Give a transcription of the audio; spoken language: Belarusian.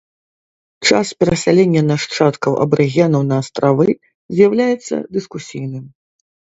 Час перасялення нашчадкаў абарыгенаў на астравы з'яўляецца дыскусійным.